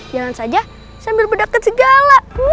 jangan saja sambil berdaket segala